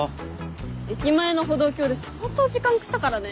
駅前の歩道橋で相当時間食ったからね。